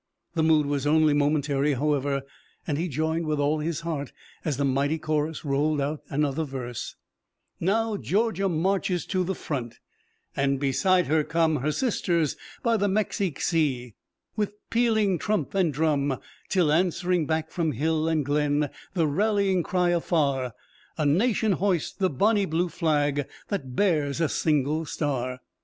The mood was only momentary, however, and he joined with all his heart as the mighty chorus rolled out another verse: "Now Georgia marches to the front And beside her come Her sisters by the Mexique sea With pealing trump and drum, Till answering back from hill and glen The rallying cry afar, A Nation hoists the bonnie blue flag That bears a single star!"